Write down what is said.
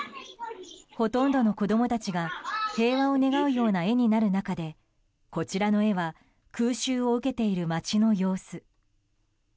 ほとんどの子供たちが平和を願うような絵になる中でこちらの絵は空襲を受けている街の様子。